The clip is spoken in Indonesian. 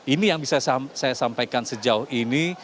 ini yang bisa saya sampaikan sejauh ini